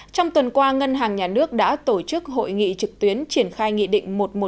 trong tuần qua ngân hàng nhà nước đã tổ chức hội nghị trực tuyến triển khai nghị định một trăm một mươi một